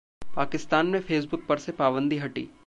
पाकिस्तान में फेसबुक पर से पाबंदी हटी